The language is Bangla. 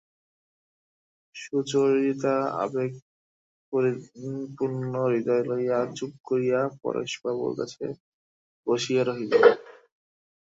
সুচরিতা আবেগপরিপূর্ণ হৃদয় লইয়া চুপ করিয়া পরেশবাবুর কাছে বসিয়া রহিল।